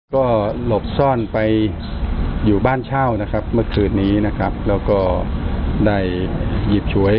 ก็หลบซ่อนไปอยู่บ้านเช้านี่แล้วก็ได้หยีบฉวย